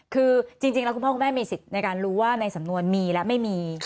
คือจริงแล้วคุณพ่อคุณแม่มีสิทธิ์ในการรู้ว่าในสำนวนมีและไม่มี